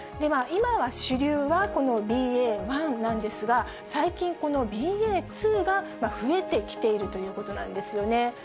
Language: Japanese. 今は主流はこのＢＡ．１なんですが、最近、このＢＡ．２が増えてきているということなんですよね。